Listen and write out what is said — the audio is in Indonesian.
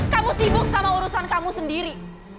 kamu sibuk sama urusan kamu sendiri